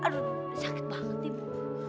aduh sakit banget ibu